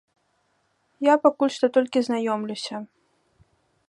Я пакуль што толькі знаёмлюся.